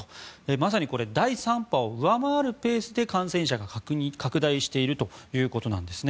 まさに第３波を上回るペースで感染者が拡大しているということなんですね。